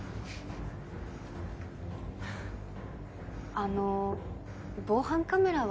あの防犯カメラは？